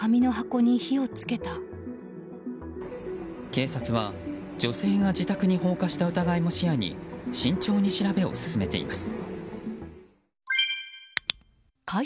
警察は、女性が自宅に放火した疑いも視野に慎重に調べを進めています。